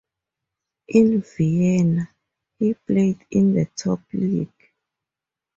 In Vienna, he played in the top league.